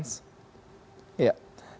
terima kasih pak fran